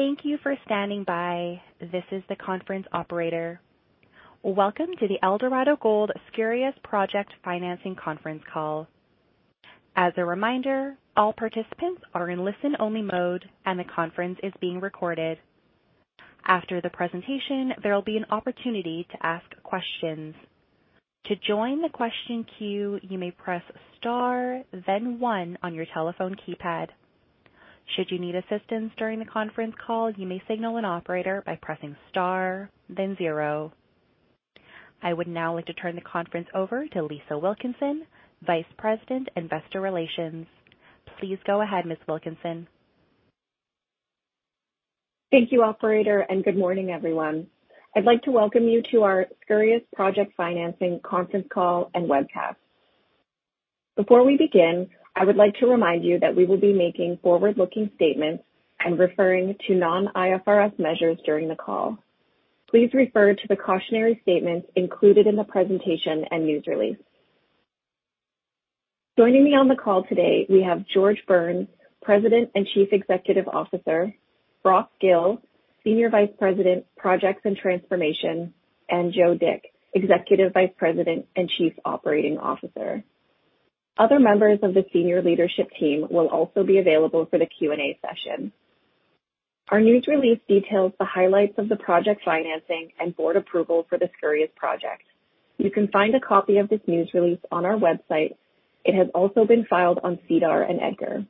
Thank you for standing by. This is the conference operator. Welcome to the Eldorado Gold Skouries Project Financing conference call. As a reminder, all participants are in listen-only mode, and the conference is being recorded. After the presentation, there will be an opportunity to ask questions. To join the question queue, you may press star then one on your telephone keypad. Should you need assistance during the conference call, you may signal an operator by pressing star then zero. I would now like to turn the conference over to Lisa Wilkinson, Vice President, Investor Relations. Please go ahead, Ms. Wilkinson. Thank you, operator, and good morning, everyone. I'd like to welcome you to our Skouries Project Financing conference call and webcast. Before we begin, I would like to remind you that we will be making forward-looking statements and referring to non-IFRS measures during the call. Please refer to the cautionary statements included in the presentation and news release. Joining me on the call today, we have George Burns, President and Chief Executive Officer, Brock Gill, Senior Vice President, Projects & Transformation, and Joe Dick, Executive Vice President and Chief Operating Officer. Other members of the senior leadership team will also be available for the Q&A session. Our news release details the highlights of the project financing and board approval for the Skouries Project. You can find a copy of this news release on our website. It has also been filed on SEDAR and EDGAR.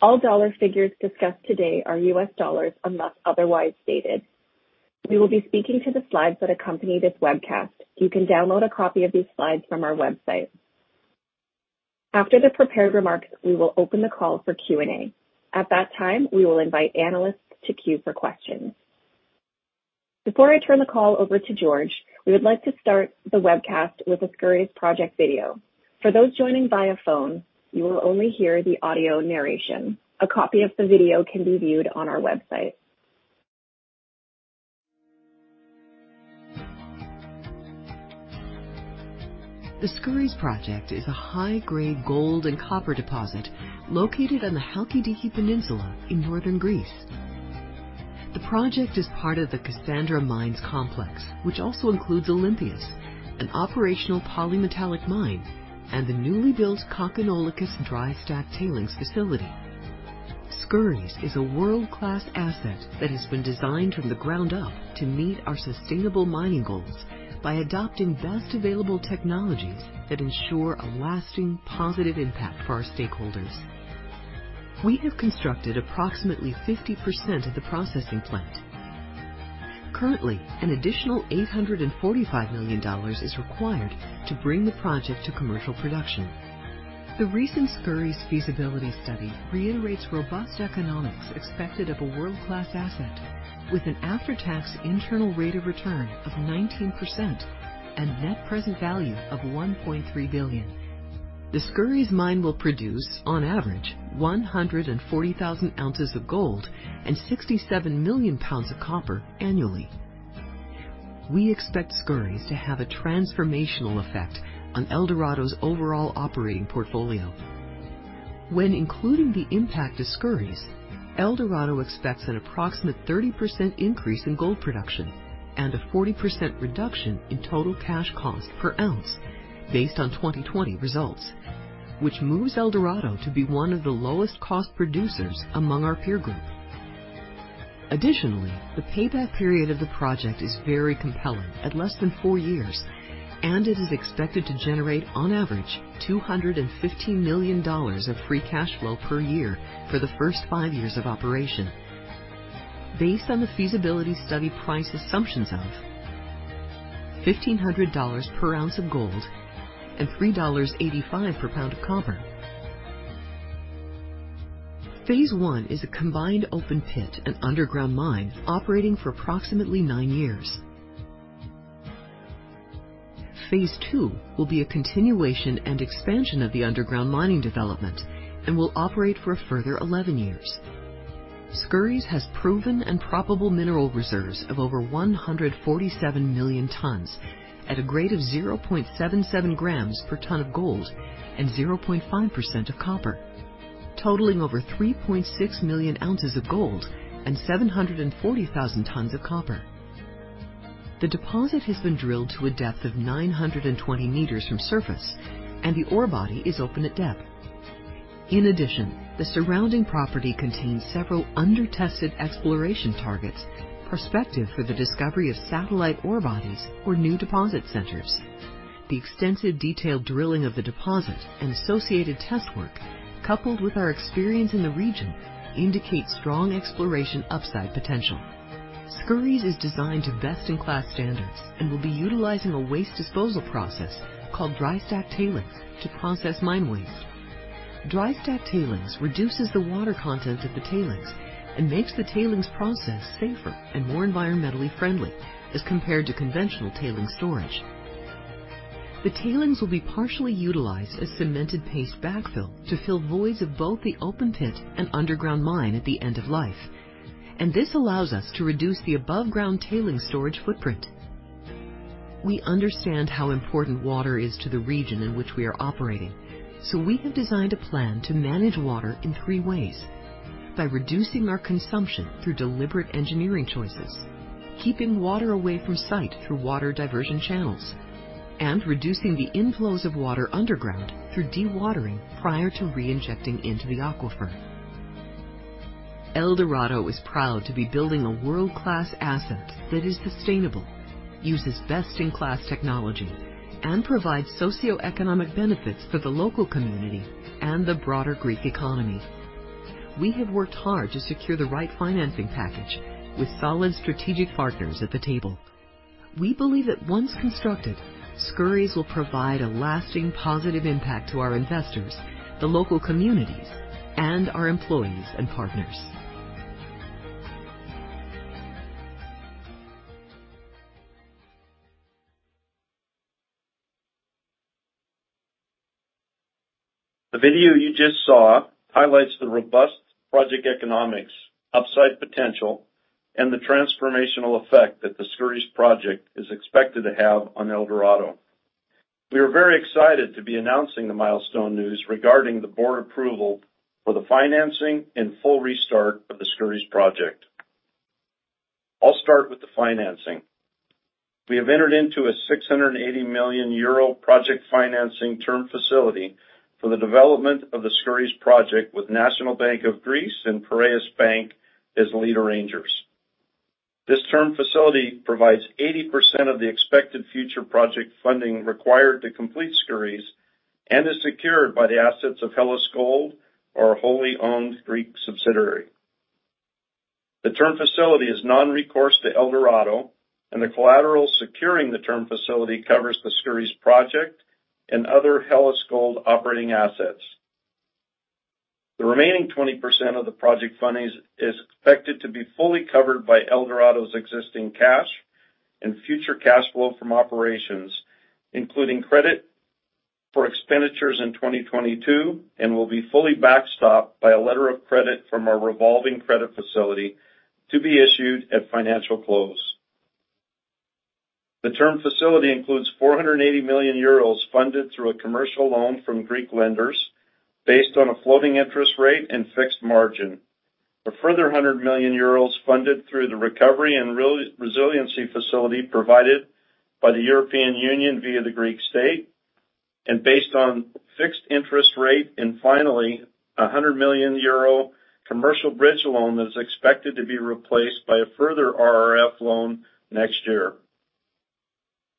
All dollar figures discussed today are U.S. dollars unless otherwise stated. We will be speaking to the slides that accompany this webcast. You can download a copy of these slides from our website. After the prepared remarks, we will open the call for Q&A. At that time, we will invite analysts to queue for questions. Before I turn the call over to George, we would like to start the webcast with a Skouries project video. For those joining via phone, you will only hear the audio narration. A copy of the video can be viewed on our website. The Skouries Project is a high-grade gold and copper deposit located on the Halkidiki Peninsula in northern Greece. The project is part of the Kassandra Mines Complex, which also includes Olympias, an operational polymetallic mine, and the newly built Kokkinolakkas dry stack tailings facility. Skouries is a world-class asset that has been designed from the ground up to meet our sustainable mining goals by adopting best available technologies that ensure a lasting positive impact for our stakeholders. We have constructed approximately 50% of the processing plant. Currently, an additional $845 million is required to bring the project to commercial production. The recent Skouries feasibility study reiterates robust economics expected of a world-class asset with an after-tax internal rate of return of 19% and net present value of $1.3 billion. The Skouries mine will produce, on average, 140,000 ounces of gold and 67 million pounds of copper annually. We expect Skouries to have a transformational effect on Eldorado's overall operating portfolio. When including the impact of Skouries, Eldorado expects an approximate 30% increase in gold production and a 40% reduction in total cash cost per ounce based on 2020 results, which moves Eldorado to be one of the lowest cost producers among our peer group. Additionally, the payback period of the project is very compelling at less than 4 years, and it is expected to generate on average, $215 million of free cash flow per year for the first 5 years of operation based on the feasibility study price assumptions of $1,500 per ounce of gold and $3.85 per pound of copper. Phase one is a combined open pit and underground mine operating for approximately nine years. Phase two will be a continuation and expansion of the underground mining development and will operate for a further 11 years. Skouries has proven and probable mineral reserves of over 147 million tons at a grade of 0.77 grams per ton of gold and 0.5% of copper, totaling over 3.6 million ounces of gold and 740,000 tons of copper. The deposit has been drilled to a depth of 920 meters from surface, and the ore body is open at depth. In addition, the surrounding property contains several under-tested exploration targets, prospective for the discovery of satellite ore bodies or new deposit centers. The extensive detailed drilling of the deposit and associated test work, coupled with our experience in the region, indicate strong exploration upside potential. Skouries is designed to best-in-class standards and will be utilizing a waste disposal process called dry stack tailings to process mine waste. Dry stack tailings reduces the water content of the tailings and makes the tailings process safer and more environmentally friendly as compared to conventional tailings storage. The tailings will be partially utilized as cemented paste backfill to fill voids of both the open pit and underground mine at the end of life. This allows us to reduce the above-ground tailings storage footprint. We understand how important water is to the region in which we are operating. We have designed a plan to manage water in three ways by reducing our consumption through deliberate engineering choices, keeping water away from site through water diversion channels, and reducing the inflows of water underground through dewatering prior to re-injecting into the aquifer. Eldorado is proud to be building a world-class asset that is sustainable, uses best in class technology and provides socioeconomic benefits for the local community and the broader Greek economy. We have worked hard to secure the right financing package with solid strategic partners at the table. We believe that once constructed, Skouries will provide a lasting positive impact to our investors, the local communities and our employees and partners. The video you just saw highlights the robust project economics, upside potential, and the transformational effect that the Skouries project is expected to have on Eldorado. We are very excited to be announcing the milestone news regarding the board approval for the financing and full restart of the Skouries project. I'll start with the financing. We have entered into a 680 million euro project financing term facility for the development of the Skouries project with National Bank of Greece and Piraeus Bank as lead arrangers. This term facility provides 80% of the expected future project funding required to complete Skouries and is secured by the assets of Hellas Gold, our wholly owned Greek subsidiary. The term facility is non-recourse to Eldorado, and the collateral securing the term facility covers the Skouries project and other Hellas Gold operating assets. The remaining 20% of the project fundings is expected to be fully covered by Eldorado's existing cash and future cash flow from operations, including credit for expenditures in 2022, and will be fully backstopped by a letter of credit from our revolving credit facility to be issued at financial close. The term facility includes 480 million euros funded through a commercial loan from Greek lenders based on a floating interest rate and fixed margin. A further 100 million euros funded through the Recovery and Resilience Facility provided by the European Union via the Greek state and based on fixed interest rate, and finally a 100 million euro commercial bridge loan that is expected to be replaced by a further RRF loan next year.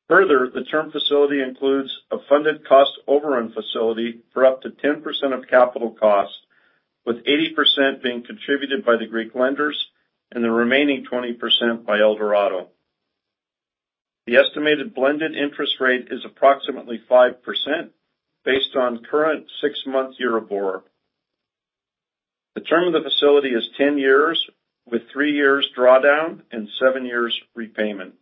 Further, the term facility includes a funded cost overrun facility for up to 10% of capital costs, with 80% being contributed by the Greek lenders and the remaining 20% by Eldorado. The estimated blended interest rate is approximately 5% based on current 6-month Euribor. The term of the facility is 10 years, with 3 years drawdown and 7 years repayment.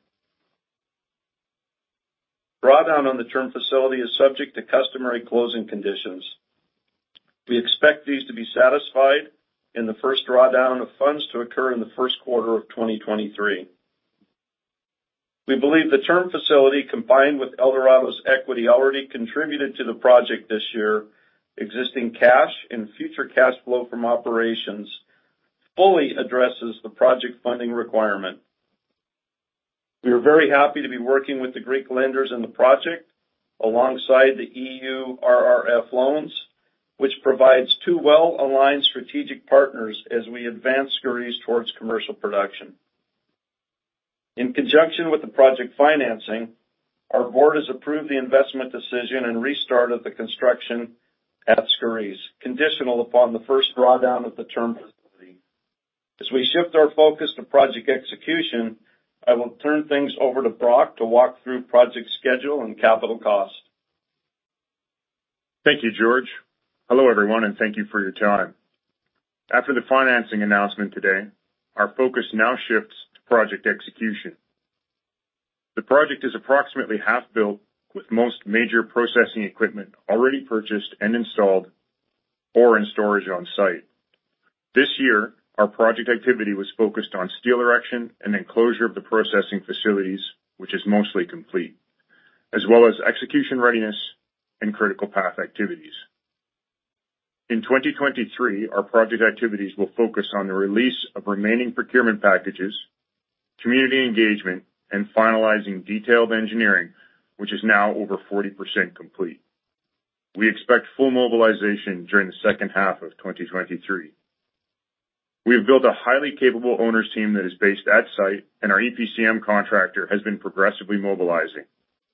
Drawdown on the term facility is subject to customary closing conditions. We expect these to be satisfied in the first drawdown of funds to occur in the first quarter of 2023. We believe the term facility, combined with Eldorado's equity already contributed to the project this year, existing cash and future cash flow from operations fully addresses the project funding requirement. We are very happy to be working with the Greek lenders in the project alongside the EU RRF loans, which provides two well-aligned strategic partners as we advance Skouries towards commercial production. In conjunction with the project financing, our board has approved the investment decision and restart of the construction at Skouries, conditional upon the first drawdown of the term facility. As we shift our focus to project execution, I will turn things over to Brock to walk through project schedule and capital cost. Thank you, George. Hello, everyone, and thank you for your time. After the financing announcement today, our focus now shifts to project execution. The project is approximately half built, with most major processing equipment already purchased and installed or in storage on site. This year, our project activity was focused on steel erection and enclosure of the processing facilities, which is mostly complete, as well as execution readiness and critical path activities. In 2023, our project activities will focus on the release of remaining procurement packages, community engagement, and finalizing detailed engineering, which is now over 40% complete. We expect full mobilization during the second half of 2023. We have built a highly capable owners team that is based at site, and our EPCM contractor has been progressively mobilizing.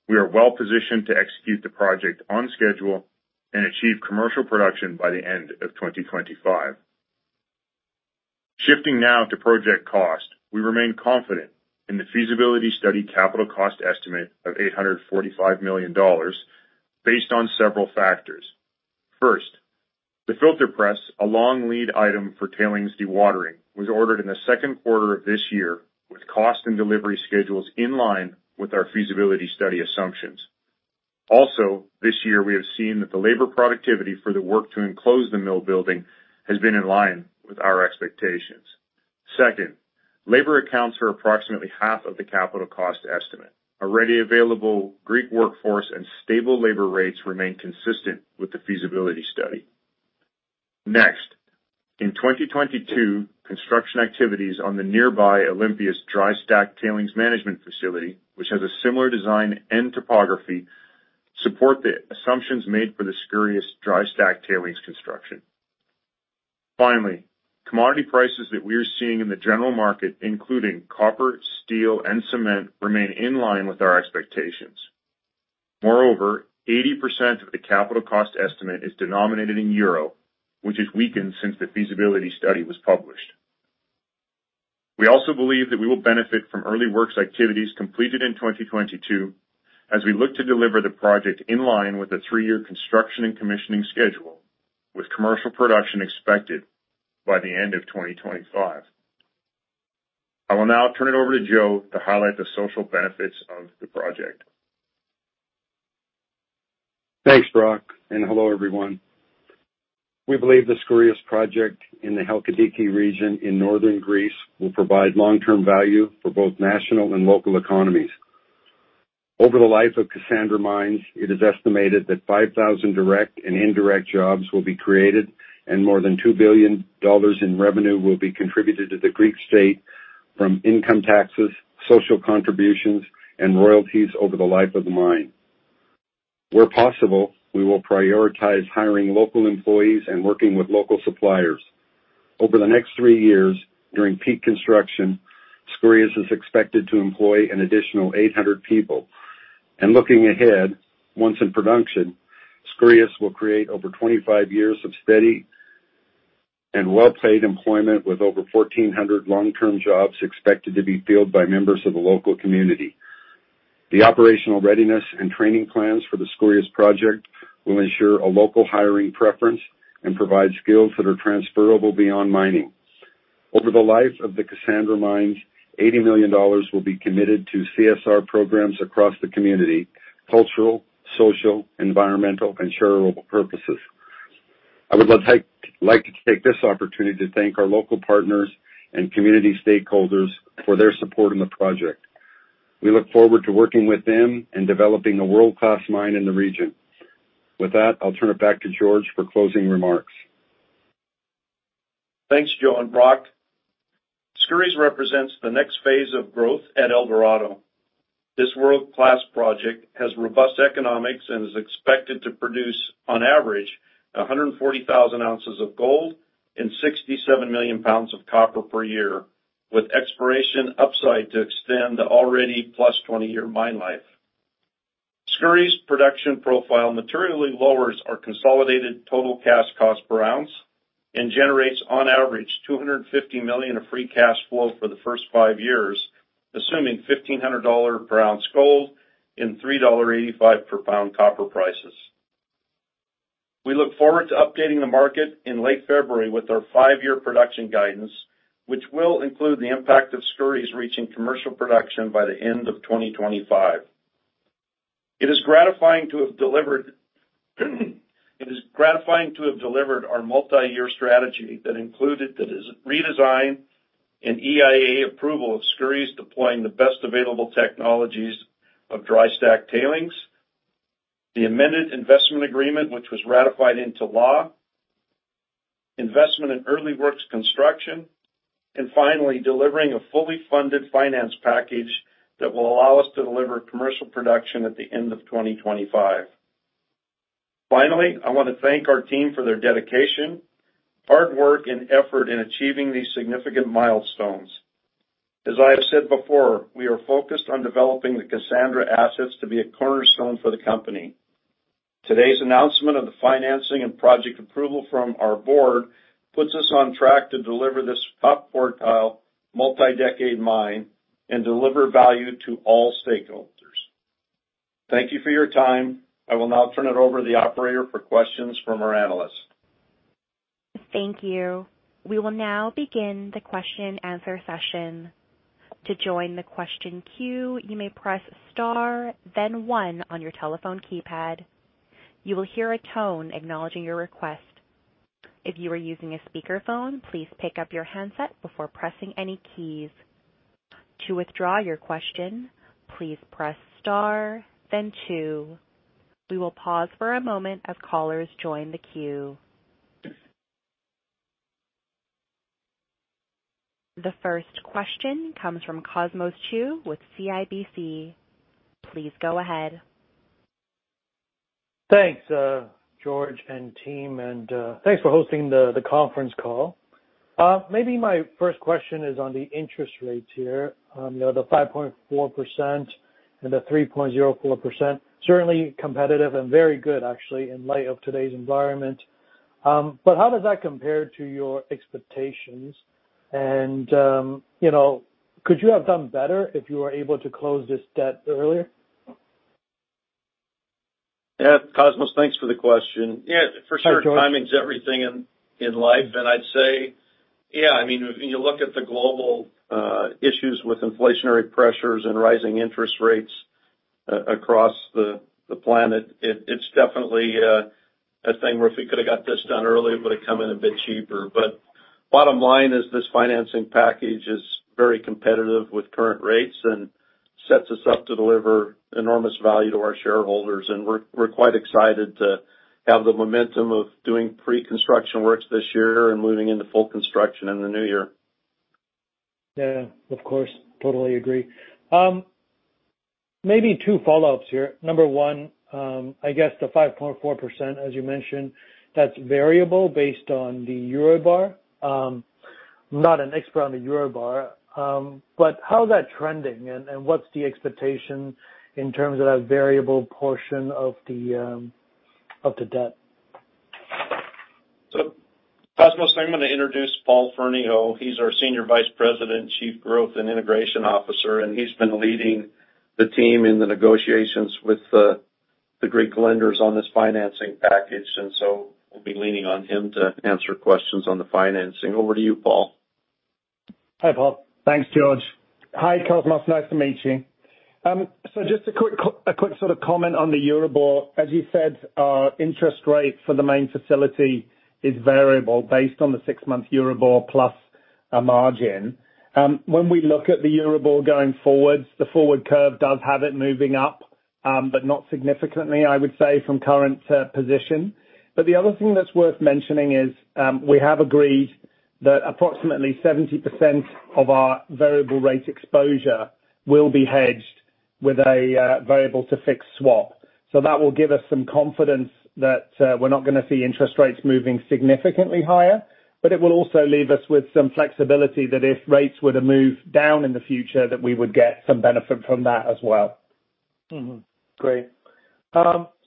We are well positioned to execute the project on schedule and achieve commercial production by the end of 2025. Shifting now to project cost. We remain confident in the feasibility study capital cost estimate of $845 million based on several factors. First, the filter press, a long lead item for tailings dewatering, was ordered in the second quarter of this year with cost and delivery schedules in line with our feasibility study assumptions. This year we have seen that the labor productivity for the work to enclose the mill building has been in line with our expectations. Second, labor accounts for approximately half of the capital cost estimate. Already available Greek workforce and stable labor rates remain consistent with the feasibility study. Next, in 2022, construction activities on the nearby Olympias dry stack tailings management facility, which has a similar design and topography, support the assumptions made for the Skouries dry stack tailings construction. Finally, commodity prices that we are seeing in the general market, including copper, steel, and cement, remain in line with our expectations. Moreover, 80% of the capital cost estimate is denominated in euro, which has weakened since the feasibility study was published. We also believe that we will benefit from early works activities completed in 2022 as we look to deliver the project in line with the 3-year construction and commissioning schedule, with commercial production expected by the end of 2025. I will now turn it over to Joe to highlight the social benefits of the project. Thanks, Brock, hello, everyone. We believe the Skouries project in the Halkidiki region in northern Greece will provide long-term value for both national and local economies. Over the life of Kassandra Mines, it is estimated that 5,000 direct and indirect jobs will be created and more than $2 billion in revenue will be contributed to the Greek state from income taxes, social contributions, and royalties over the life of the mine. Where possible, we will prioritize hiring local employees and working with local suppliers. Over the next three years, during peak construction, Skouries is expected to employ an additional 800 people. Looking ahead, once in production, Skouries will create over 25 years of steady and well-paid employment, with over 1,400 long-term jobs expected to be filled by members of the local community. The operational readiness and training plans for the Skouries project will ensure a local hiring preference and provide skills that are transferable beyond mining. Over the life of the Kassandra Mines, $80 million will be committed to CSR programs across the community, cultural, social, environmental, and charitable purposes. I would like to take this opportunity to thank our local partners and community stakeholders for their support in the project. We look forward to working with them and developing a world-class mine in the region. With that, I'll turn it back to George for closing remarks. Thanks, Joe and Brock. Skouries represents the next phase of growth at Eldorado. This world-class project has robust economics and is expected to produce on average 140,000 ounces of gold and 67 million pounds of copper per year, with exploration upside to extend the already +20-year mine life. Skouries production profile materially lowers our consolidated total cash cost per ounce and generates on average $250 million of free cash flow for the first 5 years, assuming $1,500 per ounce gold and $3.85 per pound copper prices. We look forward to updating the market in late February with our 5-year production guidance, which will include the impact of Skouries reaching commercial production by the end of 2025. It is gratifying to have delivered our multiyear strategy that included the redesign and EIA approval of Skouries deploying the best available technologies of dry stack tailings. The amended investment agreement, which was ratified into law, investment in early works construction, and finally, delivering a fully funded finance package that will allow us to deliver commercial production at the end of 2025. Finally, I want to thank our team for their dedication, hard work, and effort in achieving these significant milestones. As I have said before, we are focused on developing the Kassandra assets to be a cornerstone for the company. Today's announcement of the financing and project approval from our board puts us on track to deliver this top quartile multi-decade mine and deliver value to all stakeholders. Thank you for your time. I will now turn it over to the operator for questions from our analysts. Thank you. We will now begin the question and answer session. To join the question queue, you may press star then one on your telephone keypad. You will hear a tone acknowledging your request. If you are using a speakerphone, please pick up your handset before pressing any keys. To withdraw your question, please press star then two. We will pause for a moment as callers join the queue. The first question comes from Cosmos Chiu with CIBC. Please go ahead. Thanks, George and team, thanks for hosting the conference call. Maybe my first question is on the interest rates here. You know, the 5.4% and the 3.04%, certainly competitive and very good actually in light of today's environment. How does that compare to your expectations? You know, could you have done better if you were able to close this debt earlier? Cosmos, thanks for the question., for sure- Hi, George Timing is everything in life. I'd say,, I mean, when you look at the global issues with inflationary pressures and rising interest rates across the planet, it's definitely a thing where if we could have got this done earlier, it would've come in a bit cheaper. Bottom line is this financing package is very competitive with current rates and sets us up to deliver enormous value to our shareholders. We're quite excited to have the momentum of doing pre-construction works this year and moving into full construction in the new year. Of course. Totally agree. maybe two follow-ups here. Number one, I guess the 5.4%, as you mentioned, that's variable based on the Euribor. I'm not an expert on the Euribor, but how's that trending and what's the expectation in terms of that variable portion of the, of the debt? Cosmos, I'm gonna introduce Paul Ferneyhough. He's our Senior Vice President, Chief Growth and Integration Officer, and he's been leading the team in the negotiations with the Greek lenders on this financing package. We'll be leaning on him to answer questions on the financing. Over to you, Paul. Hi, Paul. Thanks, George. Hi, Cosmos. Nice to meet you. Just a quick sort of comment on the Euribor. As you said, our interest rate for the main facility is variable based on the six-month Euribor plus a margin. When we look at the Euribor going forward, the forward curve does have it moving up, not significantly, I would say, from current position. The other thing that's worth mentioning is we have agreed that approximately 70% of our variable rate exposure will be hedged with a variable to fixed swap. That will give us some confidence that we're not gonna see interest rates moving significantly higher, but it will also leave us with some flexibility that if rates were to move down in the future, that we would get some benefit from that as well. Great.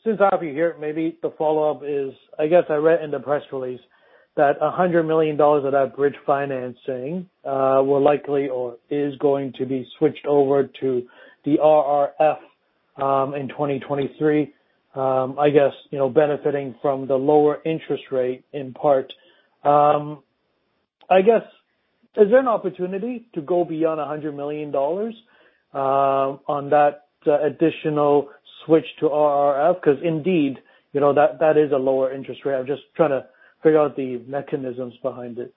Since I have you here, maybe the follow-up is, I guess I read in the press release that $100 million of that bridge financing will likely or is going to be switched over to the RRF in 2023, you know, benefiting from the lower interest rate in part. I guess, is there an opportunity to go beyond $100 million on that additional switch to RRF? 'Cause indeed, you know that is a lower interest rate. I'm just trying to figure out the mechanisms behind it.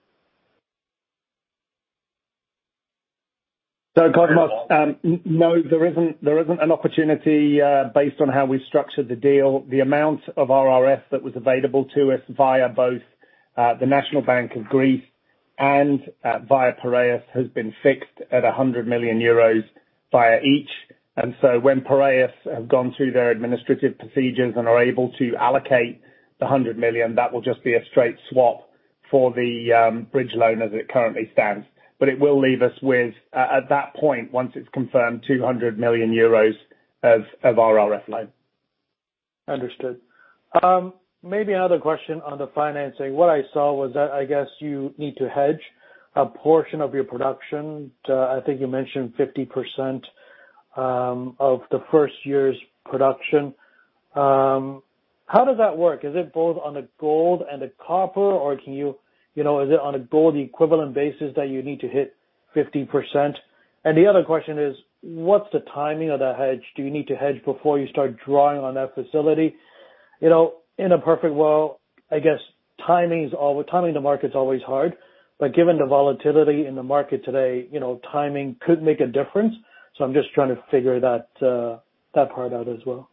Cosmos, no, there isn't an opportunity based on how we structured the deal. The amount of RRF that was available to us via both the National Bank of Greece and via Piraeus, has been fixed at 100 million euros via each. When Piraeus have gone through their administrative procedures and are able to allocate 100 million, that will just be a straight swap for the bridge loan as it currently stands. It will leave us with at that point, once it's confirmed, 200 million euros of RRF loan. Understood. Maybe another question on the financing. What I saw was that I guess you need to hedge a portion of your production to, I think you mentioned 50%, of the first year's production. How does that work? Is it both on the gold and the copper, or can you know, is it on a gold equivalent basis that you need to hit 50%? The other question is, what's the timing of that hedge? Do you need to hedge before you start drawing on that facility? You know, in a perfect world, I guess timing the market's always hard, but given the volatility in the market today, you know, timing could make a difference. I'm just trying to figure that part out as well.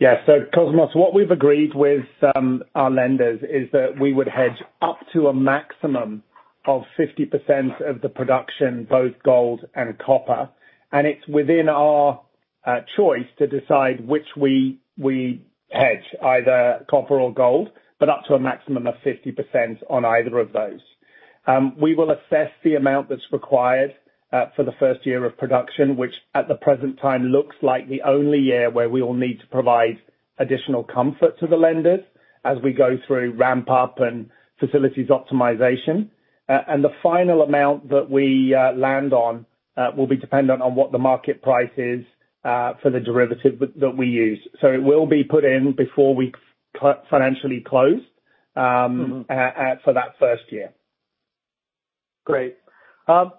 Cosmos, what we've agreed with, our lenders is that we would hedge up to a maximum of 50% of the production, both gold and copper. It's within our choice to decide which we hedge, either copper or gold, but up to a maximum of 50% on either of those. We will assess the amount that's required for the first year of production, which at the present time looks like the only year where we will need to provide additional comfort to the lenders as we go through ramp up and facilities optimization. The final amount that we land on will be dependent on what the market price is for the derivative that we use. It will be put in before we financially close.for that first year. Great.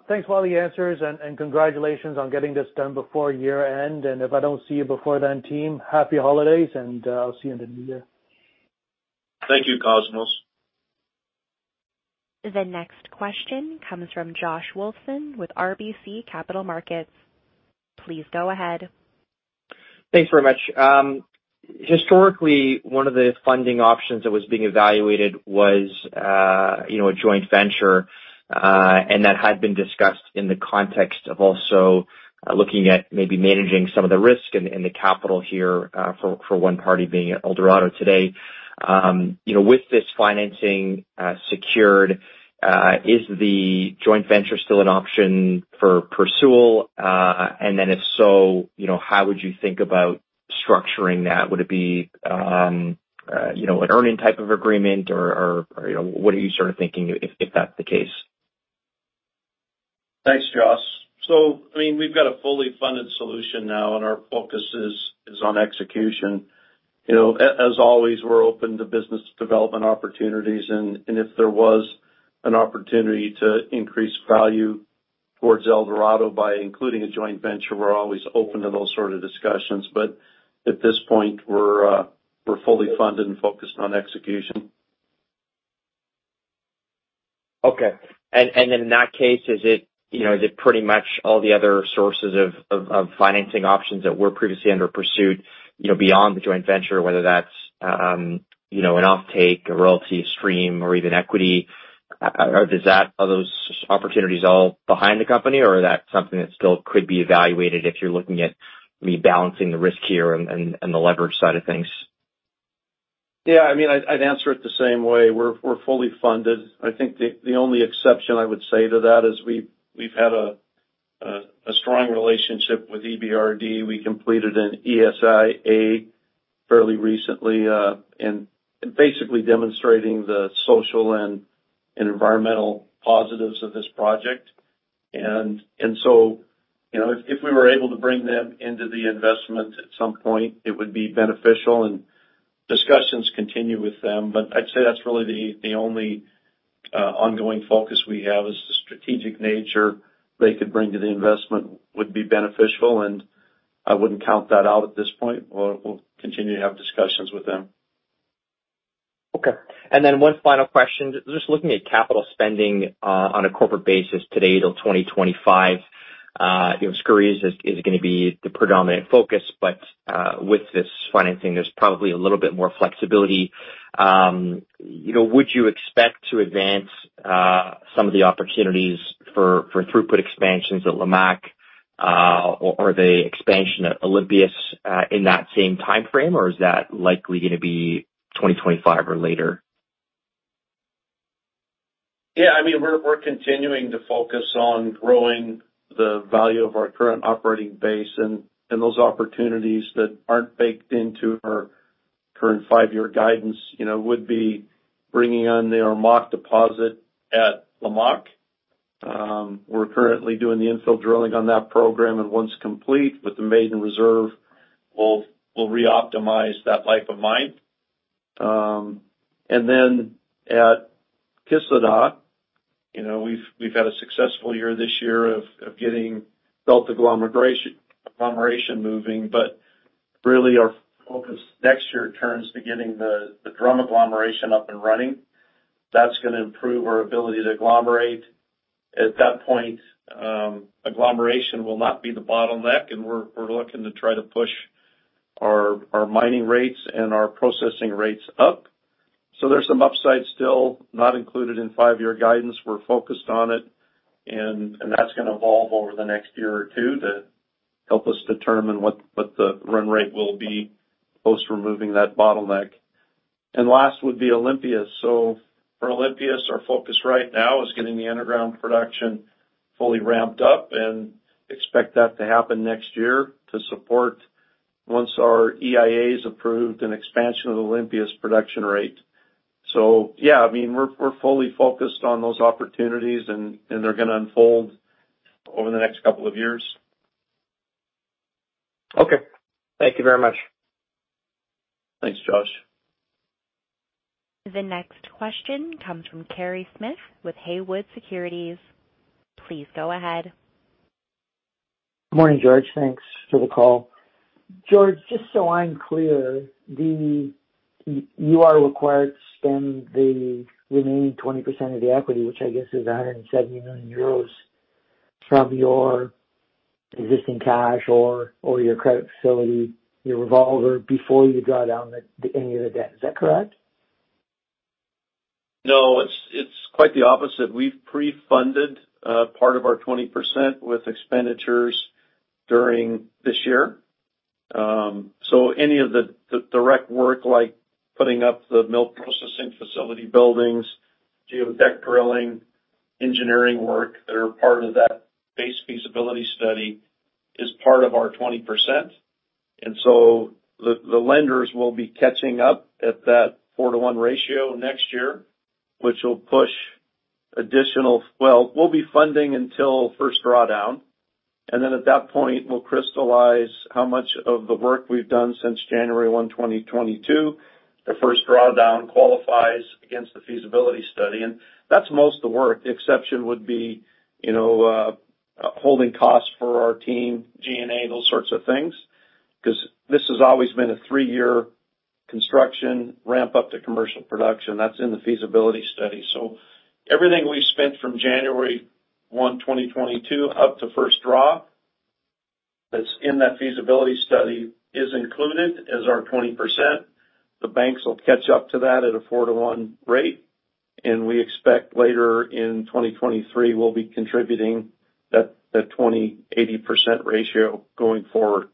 Thanks for all the answers and congratulations on getting this done before year-end. If I don't see you before then, team, happy holidays and I'll see you in the new year. Thank you, Cosmos. The next question comes from Josh Wolfson with RBC Capital Markets. Please go ahead. Thanks very much. Historically, one of the funding options that was being evaluated was, you know, a joint venture, and that had been discussed in the context of also, looking at maybe managing some of the risk and the capital here, for one party being at Eldorado today. You know, with this financing, secured, is the joint venture still an option for pursuit? Then if so, you know, how would you think about structuring that? Would it be, you know, an earning type of agreement or, or, you know, what are you sort of thinking if that's the case? Thanks, Josh. I mean, we've got a fully funded solution now, and our focus is on execution. You know, as always, we're open to business development opportunities, and if there was an opportunity to increase value towards Eldorado by including a joint venture, we're always open to those sort of discussions. At this point we're fully funded and focused on execution. Okay. In that case, is it, you know, is it pretty much all the other sources of financing options that were previously under pursuit, you know, beyond the joint venture, whether that's, you know, an offtake, a royalty stream, or even equity? Are those opportunities all behind the company or that's something that still could be evaluated if you're looking at rebalancing the risk here and the leverage side of things? I mean, I'd answer it the same way. We're fully funded. I think the only exception I would say to that is we've had a strong relationship with EBRD. We completed an ESIA fairly recently, and basically demonstrating the social and environmental positives of this project. you know, if we were able to bring them into the investment at some point it would be beneficial and discussions continue with them. I'd say that's really the only ongoing focus we have is the strategic nature they could bring to the investment would be beneficial, and I wouldn't count that out at this point. We'll continue to have discussions with them. Okay. One final question. Just looking at capital spending on a corporate basis today till 2025, you know, Skouries is gonna be the predominant focus, but with this financing there's probably a little bit more flexibility. You know, would you expect to advance some of the opportunities for throughput expansions at Lamaque, or the expansion at Olympias, in that same timeframe? Or is that likely gonna be 2025 or later? I mean, we're continuing to focus on growing the value of our current operating base and those opportunities that aren't baked into our current five-year guidance, you know, would be bringing on the Ormaque deposit at Lamaque. We're currently doing the infill drilling on that program, once complete with the maiden reserve, we'll re-optimize that life of mine. At Kışladağ, you know, we've had a successful year this year of getting agglomeration moving, really our focus next year turns to getting the drum agglomeration up and running. That's going to improve our ability to agglomerate. At that point, agglomeration will not be the bottleneck, we're looking to try to push our mining rates and our processing rates up. There's some upside still not included in five-year guidance. We're focused on it and that's gonna evolve over the next 1 or 2 years to help us determine what the run rate will be post removing that bottleneck. Last would be Olympias. For Olympias, our focus right now is getting the underground production fully ramped up and expect that to happen next year to support once our EIA is approved an expansion of the Olympias production rate., I mean, we're fully focused on those opportunities and they're gonna unfold over the next couple of years. Okay. Thank you very much. Thanks, Josh. The next question comes from Kerry Smith with Haywood Securities. Please go ahead. Morning, George. Thanks for the call. George, just so I'm clear, you are required to spend the remaining 20% of the equity, which I guess is 70 million euros from your existing cash or your credit facility, your revolver before you draw down the any of the debt. Is that correct? No. It's quite the opposite. We've pre-funded part of our 20% with expenditures during this year. So any of the direct work like putting up the mill processing facility buildings, geotechnical drilling, engineering work that are part of that base feasibility study is part of our 20%. The lenders will be catching up at that 4 to 1 ratio next year, which will push additional. Well, we'll be funding until first drawdown, and then at that point, we'll crystallize how much of the work we've done since January 1, 2022. The first drawdown qualifies against the feasibility study, and that's most the work. The exception would be, you know, holding costs for our team, G&A, those sorts of things, because this has always been a 3-year construction ramp up to commercial production that's in the feasibility study. Everything we've spent from January 1, 2022 up to first draw that's in that feasibility study is included as our 20%. The banks will catch up to that at a 4:1 rate. We expect later in 2023 we'll be contributing that 20:80% ratio going forward.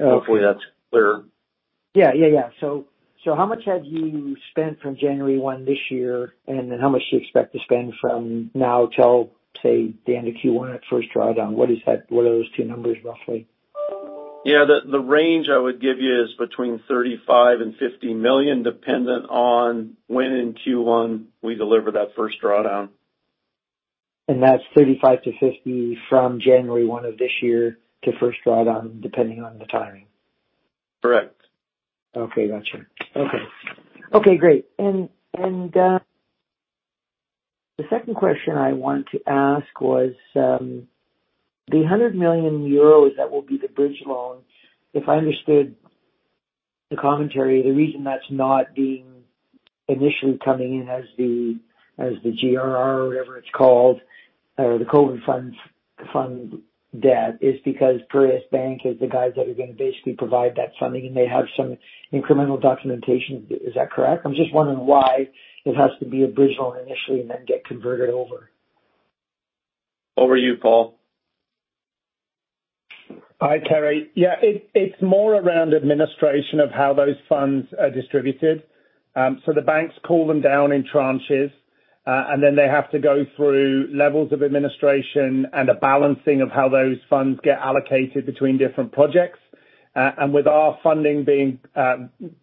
Okay. Hopefully, that's clearer. How much have you spent from January 1 this year, and then how much do you expect to spend from now till, say, the end of Q1 at first drawdown? What is that? What are those two numbers roughly? The range I would give you is between $35 million and $50 million, dependent on when in Q1 we deliver that first drawdown. That's 35 to 50 from January 1 of this year to first drawdown, depending on the timing. Correct. Okay. Gotcha. Okay. Okay, great. The second question I want to ask was the 100 million euros that will be the bridge loan, if I understood the commentary, the reason that's not being initially coming in as the GRR or whatever it's called, or the COVID funds, fund debt is because Piraeus Bank is the guys that are gonna basically provide that funding, and they have some incremental documentation. Is that correct? I'm just wondering why it has to be a bridge loan initially and then get converted over. Over to you, Paul. Hi, Kerry. It's more around administration of how those funds are distributed. The banks call them down in tranches. They have to go through levels of administration and a balancing of how those funds get allocated between different projects. With our funding being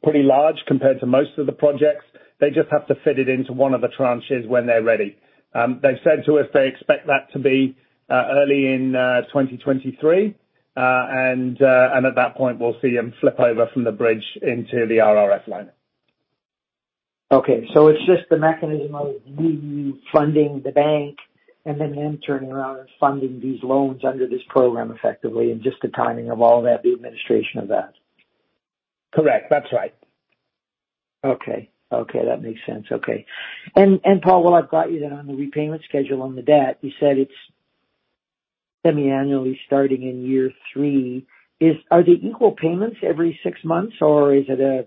pretty large compared to most of the projects, they just have to fit it into one of the tranches when they're ready. They've said to us they expect that to be early in 2023. At that point, we'll see them flip over from the bridge into the RRF loan. It's just the mechanism of you funding the bank and then them turning around and funding these loans under this program effectively, and just the timing of all of that, the administration of that. Correct. That's right. Okay. Okay, that makes sense. Okay. Paul, while I've got you then on the repayment schedule on the debt, you said it's semi-annually starting in year three. Are they equal payments every six months, or is there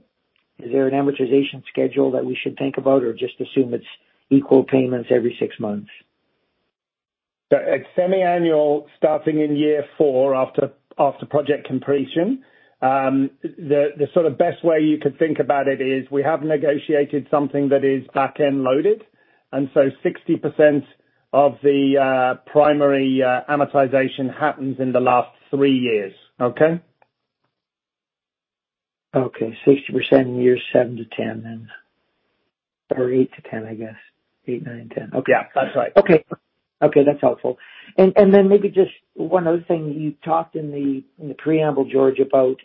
an amortization schedule that we should think about or just assume it's equal payments every six months? It's semi-annual starting in year four after project completion. The sort of best way you could think about it is we have negotiated something that is back-end loaded. 60% of the primary amortization happens in the last three years. Okay? Okay. 60% in years 7-10 then. 8-10, I guess. 8, 9, 10. Okay. That's right. Okay. That's helpful. Then maybe just one other thing you talked in the, in the preamble, George, about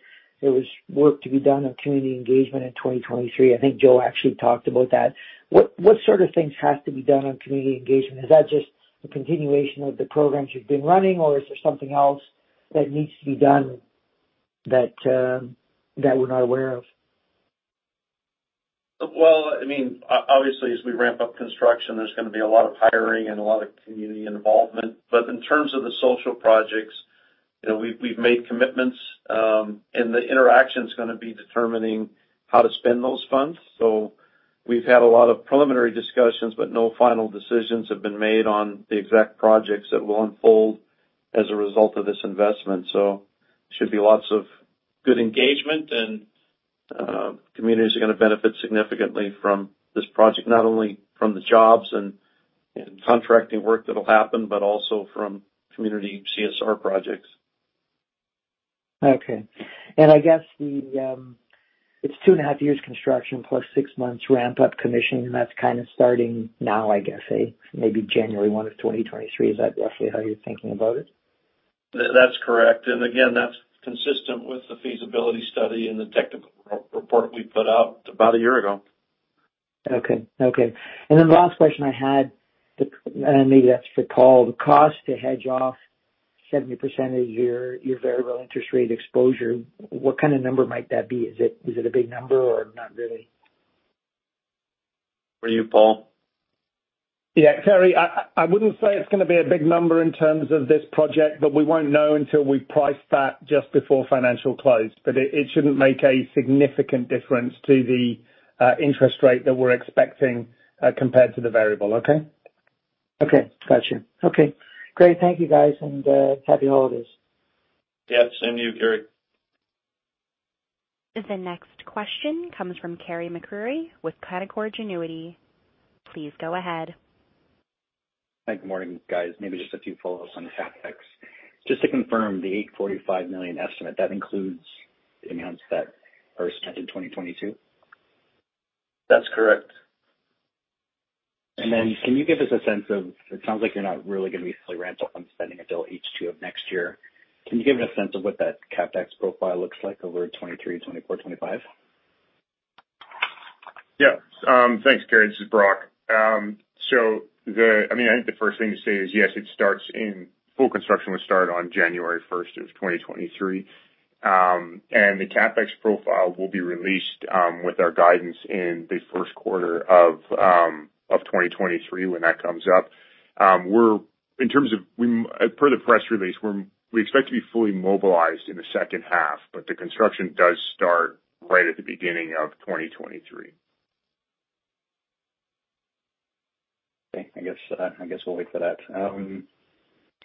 there was work to be done on community engagement in 2023. I think Joe actually talked about that. What, what sort of things has to be done on community engagement? Is that just a continuation of the programs you've been running, or is there something else that needs to be done that we're not aware of? Well, I mean, obviously as we ramp up construction, there's gonna be a lot of hiring and a lot of community involvement. In terms of the social projects, you know, we've made commitments, and the interaction's gonna be determining how to spend those funds. We've had a lot of preliminary discussions, but no final decisions have been made on the exact projects that will unfold as a result of this investment. Should be lots of good engagement and communities are gonna benefit significantly from this project, not only from the jobs and contracting work that'll happen, but also from community CSR projects. Okay. I guess the, it's 2 and a half years construction plus 6 months ramp up commissioning, that's kind of starting now, I guess, eh? Maybe January 1, 2023. Is that roughly how you're thinking about it? That's correct. Again, that's consistent with the feasibility study and the technical re-report we put out about a year ago. Okay. Okay. Then the last question I had. Maybe that's for Paul. The cost to hedge off 70% of your variable interest rate exposure, what kind of number might that be? Is it a big number or not really? For you, Paul. Kerry, I wouldn't say it's gonna be a big number in terms of this project. We won't know until we price that just before financial close. It shouldn't make a significant difference to the interest rate that we're expecting compared to the variable. Okay? Okay. Gotcha. Okay, great. Thank you guys, and happy holidays. Same to you, Kerry. The next question comes from Carey MacRury with Canaccord Genuity. Please go ahead. Hi. Good morning, guys. Maybe just a few follow-ups on the CapEx. Just to confirm the $845 million estimate, that includes the amounts that are spent in 2022? That's correct. Can you give us a sense of, it sounds like you're not really gonna be fully ramped up on spending until H2 of next year. Can you give us a sense of what that CapEx profile looks like over 2023, 2024, 2025? Thanks, Carey. This is Brock. I mean, I think the first thing to say is, yes, full construction will start on January first of 2023. The CapEx profile will be released with our guidance in the first quarter of 2023 when that comes up. In terms of when, per the press release, we expect to be fully mobilized in the second half, but the construction does start right at the beginning of 2023. Okay. I guess, I guess we'll wait for that.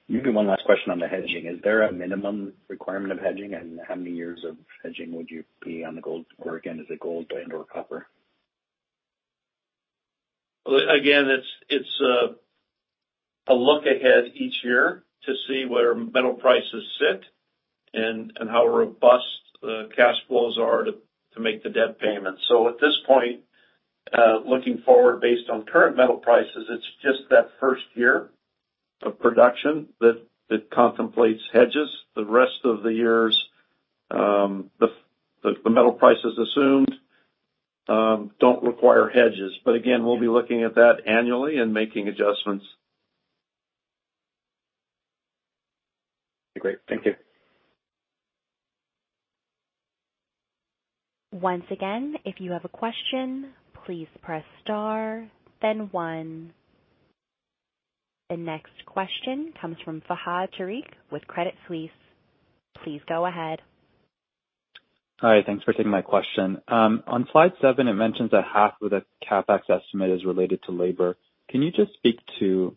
Maybe one last question on the hedging. Is there a minimum requirement of hedging and how many years of hedging would you be on the gold? Again, is it gold and/or copper? Well, again, it's a look ahead each year to see where metal prices sit and how robust the cash flows are to make the debt payments. At this point, looking forward based on current metal prices, it's just that first year of production that contemplates hedges. The rest of the years, the metal prices assumed don't require hedges. Again, we'll be looking at that annually and making adjustments. Great. Thank you. Once again, if you have a question, please press * then 1. The next question comes from Fahad Tariq with Credit Suisse. Please go ahead. Hi, thanks for taking my question. On slide 7, it mentions that half of the CapEx estimate is related to labor. Can you just speak to,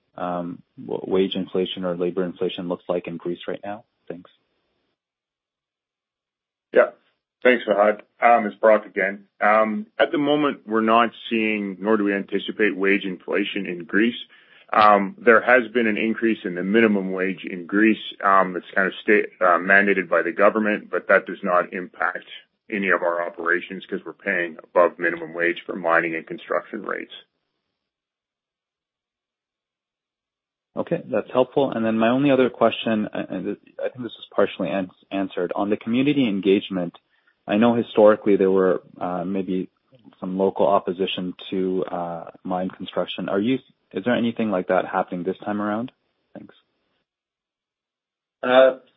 wage inflation or labor inflation looks like in Greece right now? Thanks. Thanks, Fahad. It's Brock again. At the moment, we're not seeing nor do we anticipate wage inflation in Greece. There has been an increase in the minimum wage in Greece that's kind of mandated by the government, but that does not impact any of our operations 'cause we're paying above minimum wage for mining and construction rates. Okay. That's helpful. My only other question, I think this was partially answered. On the community engagement, I know historically there were maybe some local opposition to mine construction. Is there anything like that happening this time around? Thanks.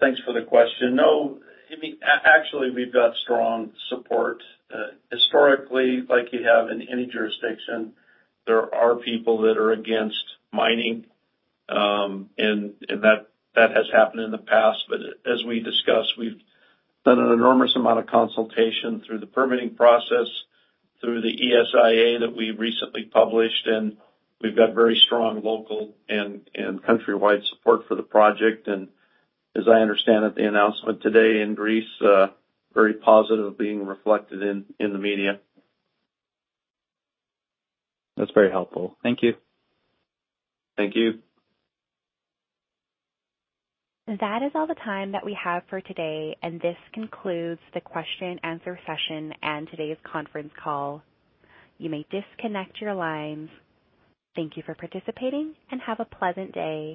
Thanks for the question. No. I mean, actually, we've got strong support. Historically, like you have in any jurisdiction, there are people that are against mining, and that has happened in the past. As we discussed, we've done an enormous amount of consultation through the permitting process, through the ESIA that we recently published, and we've got very strong local and country-wide support for the project. As I understand at the announcement today in Greece, very positive being reflected in the media. That's very helpful. Thank you. Thank you. That is all the time that we have for today, and this concludes the question and answer session and today's conference call. You may disconnect your lines. Thank you for participating, and have a pleasant day.